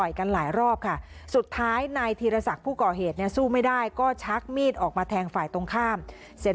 ชะลองนาฏใหม่ผู้ตายกับผู้ก่อเหตุมาร่วมงาน